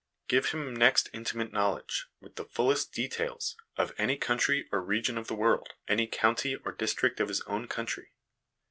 Give him next intimate knowledge, with the fullest details, of any country or region of the world, any county or district of his own country.